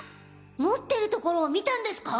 持ってるところを見たんですか？